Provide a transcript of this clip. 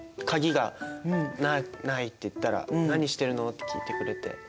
「鍵がない」って言ったら「何してるの？」って聞いてくれて。